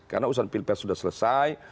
karena urusan pilpres sudah selesai